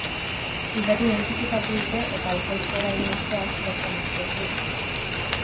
Gidaria identifikatu dute eta alkohol froga egin ostean, bertan atxilotu dute.